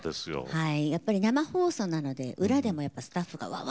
はい。